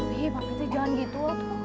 tapi pak itu jangan gitu